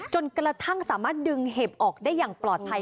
จนกระทั่งสามารถดึงเห็บออกได้อย่างปลอดภัย